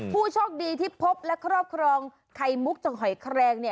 ผู้โชคดีที่พบและครอบครองไข่มุกจากหอยแครง